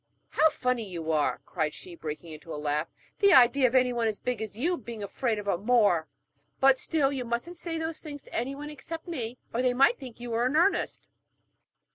'How funny you are,' cried she, breaking into a laugh. 'The idea of anyone as big as you being afraid of a Moor! But still, you mustn't say those things to anyone except me, or they might think you were in earnest.'